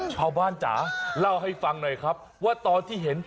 จ๋าเล่าให้ฟังหน่อยครับว่าตอนที่เห็น